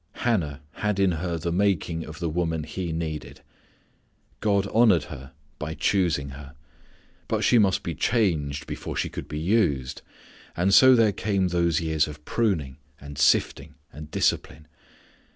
Hannah had in her the making of the woman He needed. God honoured her by choosing her. But she must be changed before she could be used. And so there came those years of pruning, and sifting, and discipline.